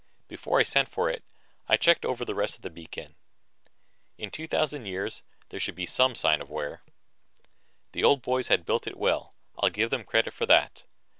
Before I sent for it, I checked over the rest of the beacon. In 2000 years, there should be some sign of wear. The old boys had built well, I'll give them credit for that.